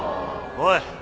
おい。